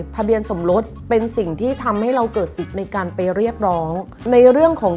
ทะเบียนสมรสเป็นสิ่งที่ทำให้เราเกิดสิทธิ์ในการไปเรียกร้องในเรื่องของ